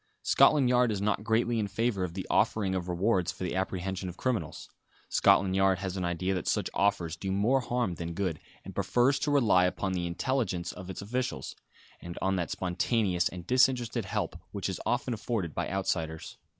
Scotland Yard is not greatly in favour of the offering of rewards for the apprehension of criminals. Scotland Yard has an idea that such offers do more harm than good, and prefers to rely upon the intelligence of its officials; and on that spontaneous and disinterested help which is often afforded by outsiders.